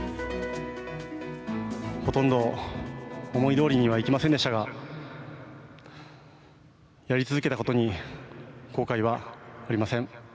ほとんど思いどおりにはいきませんでしたが、やり続けたことに後悔はありません。